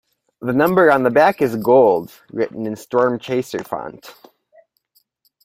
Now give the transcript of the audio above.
The number on the back is gold, written in Storm Chaser font.